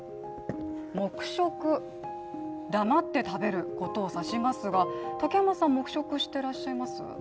黙食、黙って食べることを指しますが竹山さん、黙食してらっしゃいます？